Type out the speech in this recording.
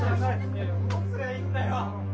どうすりゃいいんだよ！